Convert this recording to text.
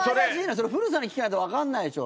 それ、古田さんに聞かないとわかんないでしょ。